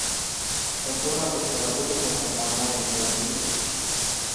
އެއްދުވަހަކު ކުޑަކުދީންތަކެއް މަގުމަތީ ކުޅޭން ތިވި